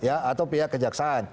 atau pihak kejaksaan